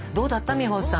美穂さん。